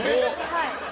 はい。